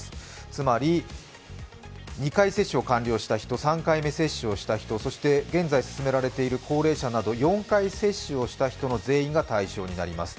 つまり２回接種を完了した人３回目接種をした人、そして現在すすめられている高齢者など、４回接種をした人の全員が対象になります。